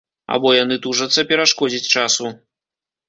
Або яны тужацца перашкодзіць часу.